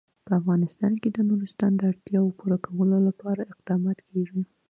په افغانستان کې د نورستان د اړتیاوو پوره کولو لپاره اقدامات کېږي.